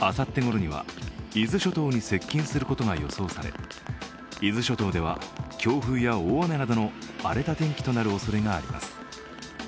あさってごろには伊豆諸島に接近することが予想され、伊豆諸島では強風や大雨などの荒れた天気となるおそれがあります。